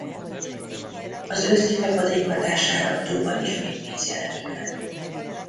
Az őszi csapadék hatására a tóban ismét víz jelenik meg.